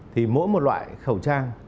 thì mỗi một loại khẩu trang